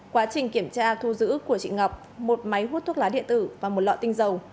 quá trình kiểm tra thu giữ của chị ngọc một máy hút thuốc lá điện tử và một lọ tinh dầu